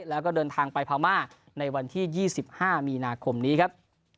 แล้วก็เดินทางไปพม่าในวันที่๒๕มีนาคมนี้ครับ